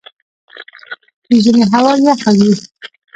د ژمي هوا یخه وي